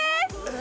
え